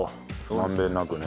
満遍なくね。